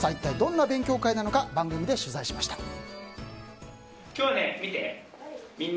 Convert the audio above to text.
どんな勉強会なのか番組で取材しました。